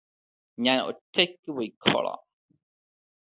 ഞാൻ ഒറ്റയ്ക്ക് പൊയ്ക്കോളാം.